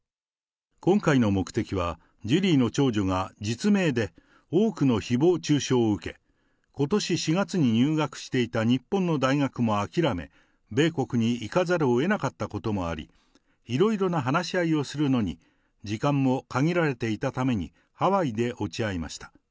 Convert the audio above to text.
今回の目的は、ジュリーの長女が実名で多くのひぼう中傷を受け、ことし４月に入学していた日本の大学も諦め、米国に行かざるをえなかったこともあり、いろいろな話し合いをするのに、時間も限られていたために、ハワイで落ち合いました。